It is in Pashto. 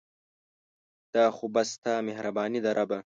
دا خو بس ستا مهرباني ده ربه